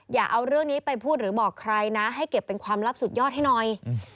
อย่าเอาเรื่องนี้ไปพูดหรือบอกใครนะให้เก็บเป็นความลับสุดยอดให้หน่อย